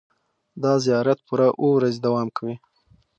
دا زیارت پوره اوه ورځې دوام کوي.